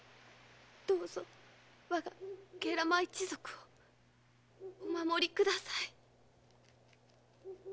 どうぞ我が慶良間一族をお守りください。